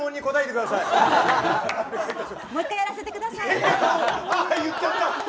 もう１回やらせてください。